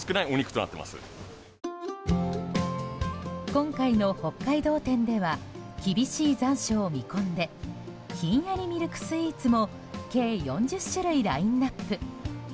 今回の北海道展では厳しい残暑を見込んでひんやりミルクスイーツも計４０種類ラインアップ。